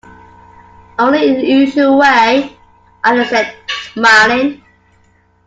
‘Only in the usual way,’ Alice said, smiling.